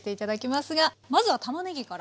まずはたまねぎから。